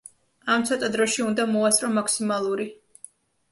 ამ ცოტა დროში უნდა მოასწრო მაქსიმალური.